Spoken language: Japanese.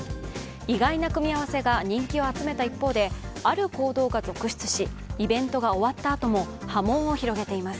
意外な組み合わせが人気を集めた一方で、ある行動が続出し、イベントが終わったあとも波紋を広げています。